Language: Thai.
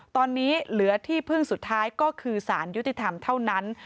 ตอนนี้เหลือที่พึ่งสุดท้ายก็คือสารยุติธรรมเท่านั้น